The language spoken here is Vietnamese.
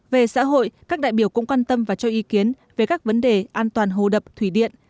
về xã hội các đại biểu cũng quan tâm và cho ý kiến về các vấn đề an toàn hồ đập thủy điện